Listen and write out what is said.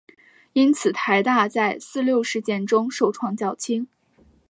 因此台大在四六事件中受创较轻。